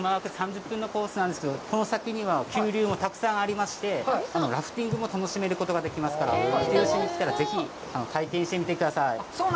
３０分のコースなんですけど、この先には急流もたくさんありまして、ラフティングも楽しめることができますから、人吉に来たらぜひ体験してみてください。